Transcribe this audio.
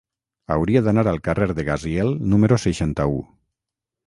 Hauria d'anar al carrer de Gaziel número seixanta-u.